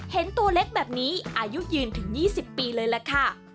เห็นตัวเล็กแบบนี้อายุยืนถึง๒๐ปีเลยล่ะค่ะ